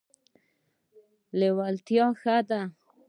لیوالتیا ښه ده.